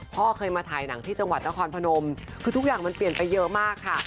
พ่อเคยมาถ่ายหนังที่จังหวัดนครพนมคือทุกอย่างมันเปลี่ยนไปเยอะมากค่ะ